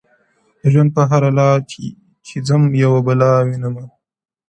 د ژوند پر هره لار چي ځم يوه بلا وينم”